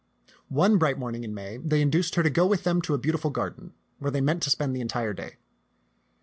One bright morning in May they induced her to go with them to a beau tiful garden where they meant to spend the entire day.